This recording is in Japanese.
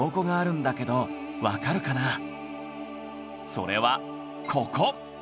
それはここ